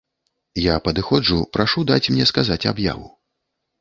Я падыходжу, прашу даць мне сказаць аб'яву.